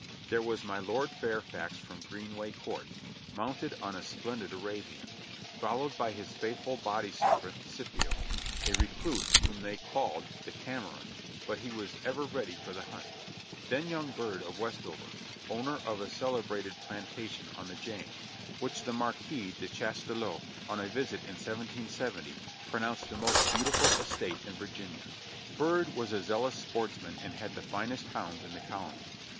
There was my Lord Fairfax from Greenway Court, mounted on a splendid Arabian, followed by his faithful body servant Scipio, a recluse whom they called "the Cameron," but he was ever ready for the hunt. Then young Byrd of West over, owner of a celebrated plantation on the James, which the Marquis de Chastelux, on a visit in 1770, pronounced the most beautiful estate in Virginia. Byrd was a zealous sportsman and had the finest hounds in the Colony.